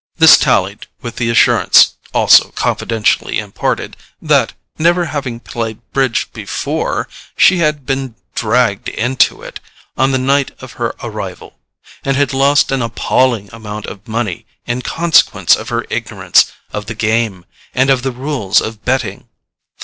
This tallied with the assurance, also confidentially imparted, that, never having played bridge before, she had been "dragged into it" on the night of her arrival, and had lost an appalling amount of money in consequence of her ignorance of the game and of the rules of betting.